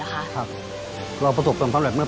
ไปดูกันค่ะว่าหน้าตาของเจ้าปาการังอ่อนนั้นจะเป็นแบบไหน